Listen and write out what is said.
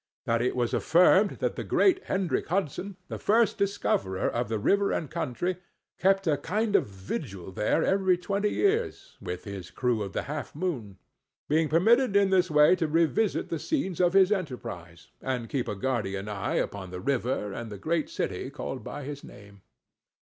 That it was affirmed that the great Hendrick Hudson, the first discoverer of the river and country, kept a kind of vigil[Pg 19] there every twenty years, with his crew of the Half moon; being permitted in this way to revisit the scenes of his enterprise, and keep a guardian eye upon the river, and the great city called by his name.